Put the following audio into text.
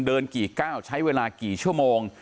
กี่ก้าวใช้เวลากี่ชั่วโมง